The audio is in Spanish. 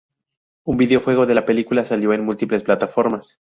Un videojuego de la película salió en múltiples plataformas.